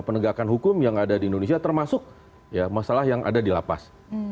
penegakan hukum yang ada di indonesia termasuk masalah yang ada di lapas